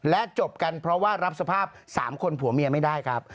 และจบกันเพราะว่ารับสภาพ๓คนผัวเมียไม่ได้ครับ